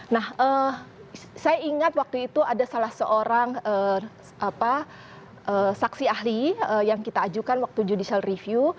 nah saya ingat waktu itu ada salah seorang saksi ahli yang kita ajukan waktu judicial review